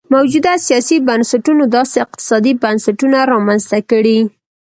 موجوده سیاسي بنسټونو داسې اقتصادي بنسټونه رامنځته کړي.